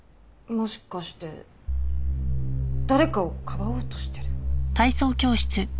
もしかして誰かをかばおうとしている？